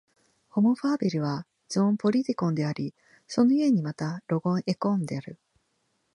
ホモ・ファーベルはゾーン・ポリティコンであり、その故にまたロゴン・エコーンである。